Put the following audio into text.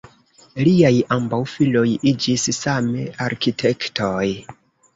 Liaj ambaŭ filoj iĝis same arkitektoj.